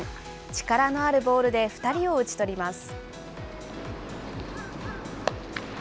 力のあるボールで２人を打ち取ります。